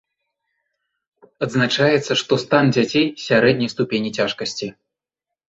Адзначаецца, што стан дзяцей сярэдняй ступені цяжкасці.